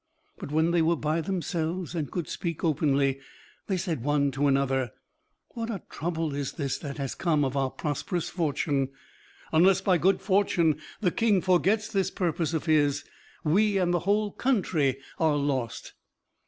But when they were by themselves, and could speak openly, they said one to another, "What a trouble is this that has come of our prosperous fortune! Unless by good fortune the King forgets this purpose of his, we and the whole country are lost.